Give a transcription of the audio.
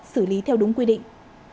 xử lý theo đúng quy định